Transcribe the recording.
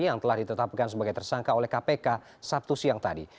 yang telah ditetapkan sebagai tersangka oleh kpk sabtu siang tadi